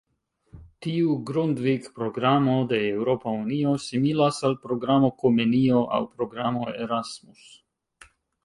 Tiu Grundvig-programo de Eŭropa Unio similas al programo Komenio aŭ programo Erasmus.